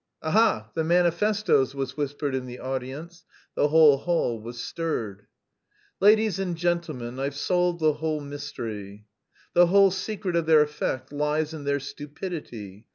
"Ha ha, the manifestoes!" was whispered in the audience; the whole hall was stirred. "Ladies and gentlemen, I've solved the whole mystery. The whole secret of their effect lies in their stupidity."